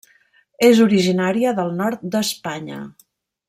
És originària del nord d'Espanya.